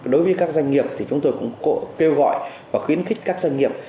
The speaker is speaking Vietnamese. đối với các doanh nghiệp thì chúng tôi cũng kêu gọi và khuyến khích các doanh nghiệp